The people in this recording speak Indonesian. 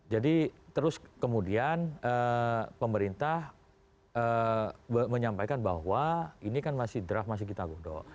jadi terus kemudian pemerintah menyampaikan bahwa ini kan masih draft masih kita godok